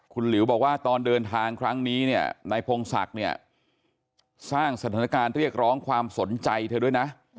คุณหลิวบอกว่าตอนเดินทางครั้งนี้เนี่ยนายพงศักดิ์เนี่ยสร้างสถานการณ์เรียกร้องความสนใจเธอด้วยนะ